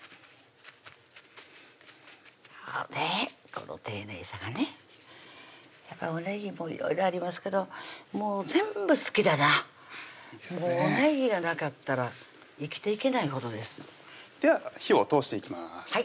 ねっこの丁寧さがねおねぎもいろいろありますけどもう全部好きだなもうおねぎがなかったら生きていけないほどですでは火を通していきます